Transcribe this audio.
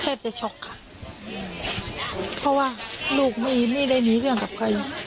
แทบจะช็อกค่ะเพราะว่าลูกไม่ได้มีเรื่องกับใคร